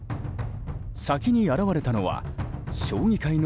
先に現れたのは将棋界の